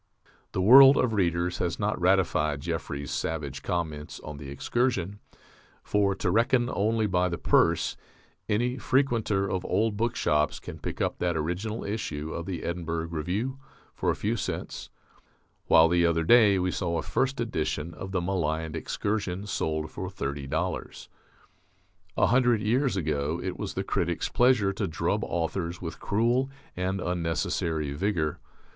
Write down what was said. The world of readers has not ratified Jeffrey's savage comments on "The Excursion," for (to reckon only by the purse) any frequenter of old bookshops can pick up that original issue of the Edinburgh Review for a few cents, while the other day we saw a first edition of the maligned "Excursion" sold for thirty dollars. A hundred years ago it was the critic's pleasure to drub authors with cruel and unnecessary vigour.